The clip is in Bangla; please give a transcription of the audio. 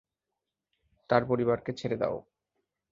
তার পরিবারকে ছেড়ে দাও।